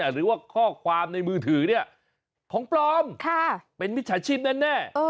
หรือว่าข้อความในมือถือเนี่ยของปลอมเป็นมิจฉาชีพแน่